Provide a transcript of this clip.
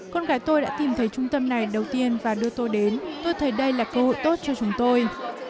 con gái tôi đã tìm thấy trung tâm này đầu tiên và đưa tôi đến tôi thấy đây là cơ hội tốt cho chúng tôi